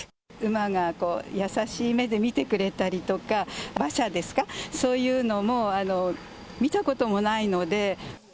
馬が優しい目で見てくれたりとか、馬車ですか、そういうのも、見たこともないので。